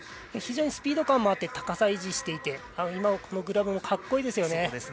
非常にスピード感もあり高さを維持していて今のグラブも格好いいですよね。